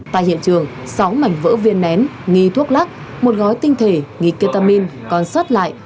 tại hiện trường sáu mảnh vỡ viên nén nghì thuốc lắc một gói tinh thể nghì ketamin còn xót lại